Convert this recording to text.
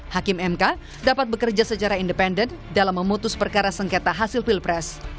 hakim mk dapat bekerja secara independen dalam memutus perkara sengketa hasil pilpres